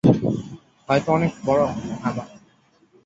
হয়ত অনেক বড় আবাল।